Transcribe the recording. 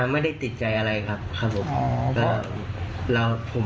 ไม่ได้ติดใจอะไรครับครับผม